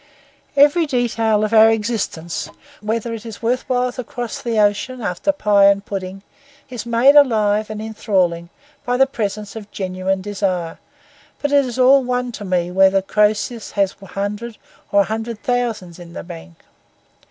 Every detail of our existence, where it is worth while to cross the ocean after pie and pudding, is made alive and enthralling by the presence of genuine desire; but it is all one to me whether Crœsus has a hundred or a thousand thousands in the bank.